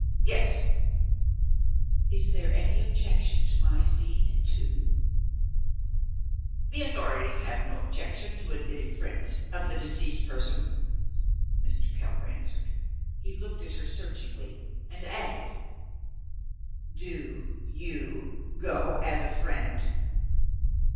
"Yes." "Is there any objection to my seeing it too?" "The authorities have no objection to admitting friends of the deceased person," Mr. Keller answered. He looked at her searchingly, and added, "Do you go as a friend?"